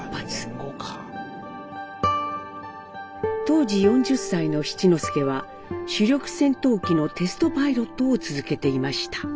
当時４０歳の七之助は主力戦闘機のテストパイロットを続けていました。